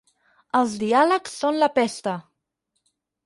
Els diàlegs són la pesta!